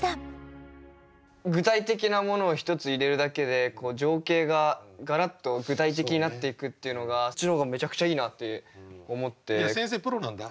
具体的なものを１つ入れるだけでこう情景がガラッと具体的になっていくっていうのがそっちの方がめちゃくちゃいいなって思って。